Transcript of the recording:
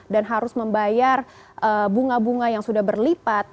dan harus membayar bunga bunga yang sudah berlipat